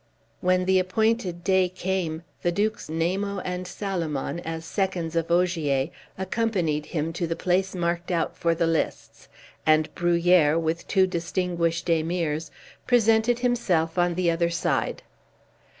When the appointed day came the Dukes Namo and Salomon, as seconds of Ogier, accompanied him to the place marked out for the lists, and Bruhier, with two distinguished Emirs, presented himself on the other side.